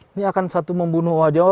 ini akan satu membunuh owa jawa